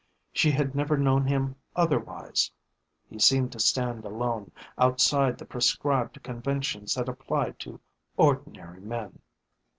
She had never known him otherwise. He seemed to stand alone, outside the prescribed conventions that applied to ordinary men.